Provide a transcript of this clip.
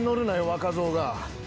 若造が。